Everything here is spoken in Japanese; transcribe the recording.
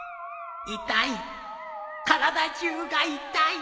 痛い体中が痛い